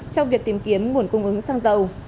trong việc tìm kiếm nguồn cung ứng xăng dầu